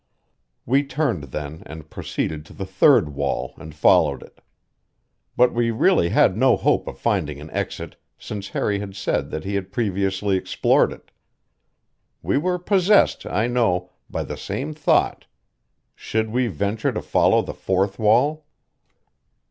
We turned then, and proceeded to the third wall and followed it. But we really had no hope of finding an exit since Harry had said that he had previously explored it. We were possessed, I know, by the same thought: should we venture to follow the fourth wall?